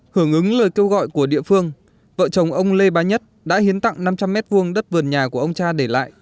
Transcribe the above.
hưởng ứng lời kêu gọi của địa phương vợ chồng ông lê bá nhất đã hiến tặng năm trăm linh m hai đất vườn nhà của ông cha để lại